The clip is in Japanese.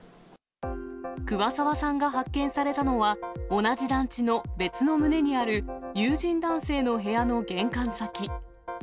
桑沢さんが発見されたのは、同じ団地の別の棟にある友人男性の部屋の玄関先。